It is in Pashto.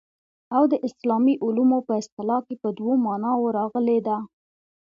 او د اسلامي علومو په اصطلاح کي په دوو معناوو راغلې ده.